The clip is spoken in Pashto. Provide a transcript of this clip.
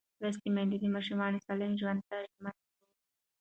لوستې میندې د ماشوم سالم ژوند ته ژمن وي.